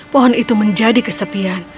pohon itu menjadi kesepian